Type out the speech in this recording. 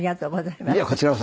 いえこちらこそ。